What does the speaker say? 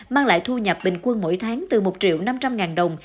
mang lại thu nhập bình quân mỗi tháng từ một triệu năm trăm linh ngàn đồng